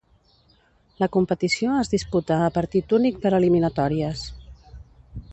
La competició es disputa a partit únic per eliminatòries.